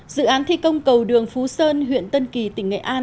dự án thi công cầu đường phú sơn huyện tân kỳ tỉnh nghệ an